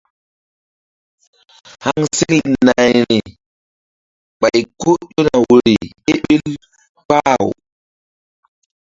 Haŋsekle nayri ɓay ko ƴona woyri ké ɓil kpah-aw.